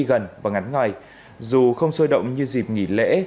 những du khách đã đi gần và ngắn ngày dù không sôi động như dịp nghỉ lễ